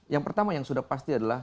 yang pertama yang sudah pasti adalah